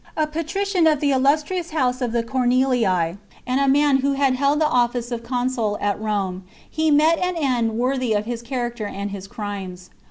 A patrician of the illustrious house of the Cornelii, and a man who had held the office of consul at Rome, he met an end worthy of his character and his crimes.